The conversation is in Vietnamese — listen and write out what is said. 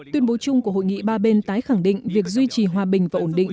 tuyên bố chung của hội nghị ba bên tái khẳng định việc duy trì hòa bình và ổn định